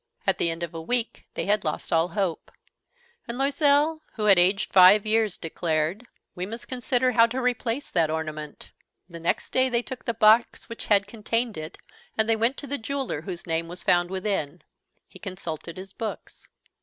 At the end of a week they had lost all hope. And Loisel, who had aged five years, declared: "We must consider how to replace that ornament." The next day they took the box which had contained it, and they went to the jeweler whose name was found within. He consulted his books.